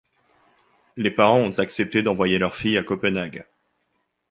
Les parents ont accepté d'envoyer leur fille à Copenhague.